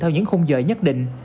theo những khung giờ nhất định